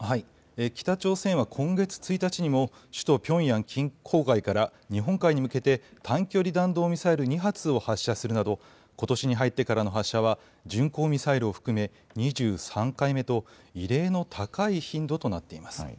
北朝鮮は今月１日にも首都ピョンヤン郊外から日本海に向けて短距離弾道ミサイル２発を発射するなどことしに入ってからの発射は巡航ミサイルを含め２３回目と異例の高い頻度となっています。